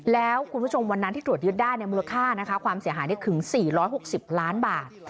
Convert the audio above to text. แล้วคุณผู้ชมวันนั้นที่ตรวจยึดได้มูลค่านะคะความเสียหายถึง๔๖๐ล้านบาท